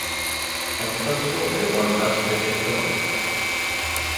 At the festival it won Best Fiction Film.